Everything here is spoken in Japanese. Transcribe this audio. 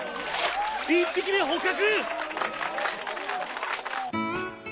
・１匹目捕獲！